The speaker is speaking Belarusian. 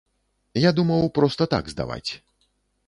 Я думаў проста так здаваць.